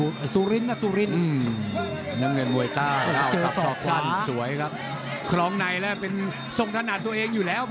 ทุกคนถ่ายแรงเมื่อสูงทำบัตรของเพจบังอันนี้อยู่แล้ว